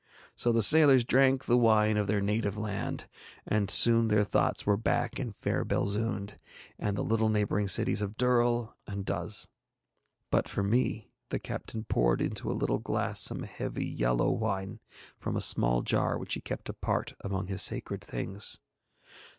So the sailors drank the wine of their native land, and soon their thoughts were back in fair Belzoond and the little neighbouring cities of Durl and Duz. But for me the captain poured into a little glass some heavy yellow wine from a small jar which he kept apart among his sacred things.